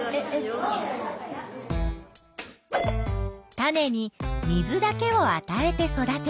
種に水だけをあたえて育てる。